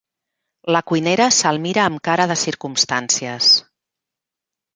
La cuinera se'l mira amb cara de circumstàncies.